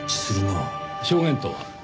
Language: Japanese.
証言とは？